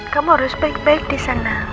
kamu harus baik baik disana